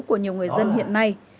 của nhiều người dân hiện nay